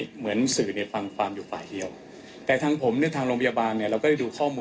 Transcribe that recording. หรือว่าไม่ตรงกับความจริง